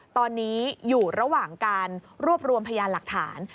ตอนนี้อยู่ระหว่างการรวบรวมพยานหลักฐาน